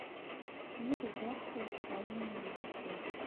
Yerbeḥ, d teɛyin i iyi-d-tefkiḍ.